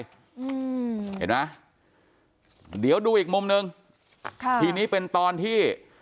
เห็นไหมเดี๋ยวดูอีกมุมหนึ่งค่ะทีนี้เป็นตอนที่